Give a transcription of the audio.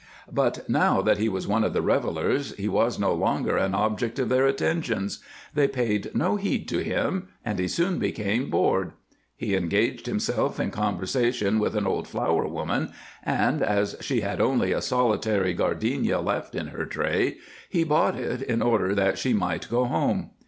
But now that he was one of the revelers he was no longer an object of their attentions; they paid no heed to him, and he soon became bored. He engaged himself in conversation with an old flower woman, and, as she had only a solitary gardenia left in her tray, he bought it in order that she might go home.